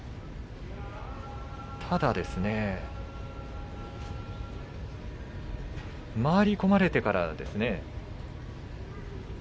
ただですね回り込まれてからですね。